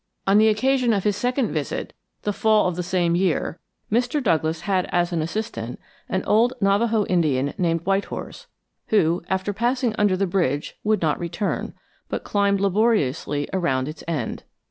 On the occasion of his second visit, the fall of the same year, Mr. Douglass had as an assistant an old Navajo Indian named White Horse, who, after passing under the bridge, would not return, but climbed laboriously around its end.